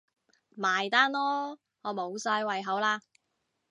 埋單囉，我無晒胃口喇